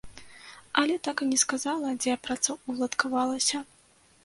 Але так і не сказала, дзе працаўладкавалася.